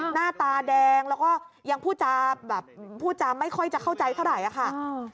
หน้าตาแดงและยังพูดจ้าไม่ค่อยจะเข้าใจเท่าไหร่